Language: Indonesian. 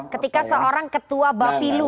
ketika seorang ketua bapilu